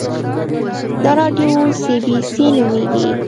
دا راډیو سي بي سي نومیږي